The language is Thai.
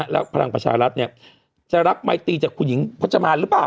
แล้วพลังประชารัฐจะรับไมตีจากคุณหญิงพจมานหรือเปล่า